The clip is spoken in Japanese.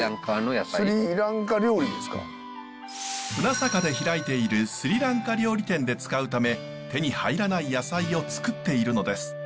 船坂で開いているスリランカ料理店で使うため手に入らない野菜をつくっているのです。